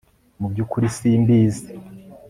Mu byukuri simbizi